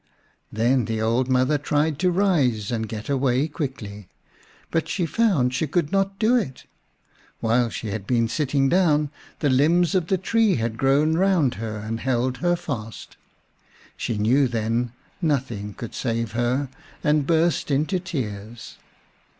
Then the old mother tried to rise and get away quickly. But she found she could not do it. While she had been sitting down the limbs of the tree had grown round her and held her fast. She knew then nothing could save her, and burst into tears.